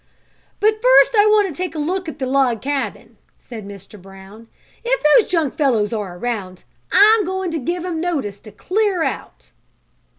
"But first I want to take a look at the log cabin," said Mr. Brown. "If those junk fellows are around I'm going to give 'em notice to clear out."